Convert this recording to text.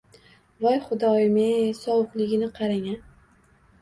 Voy, Xudoyim-ey, sovuqligini qarang-a!